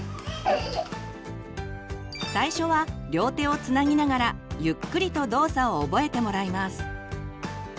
最初は両手をつなぎながらゆっくりと動作を覚えてもらいます。